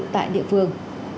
tại địa phương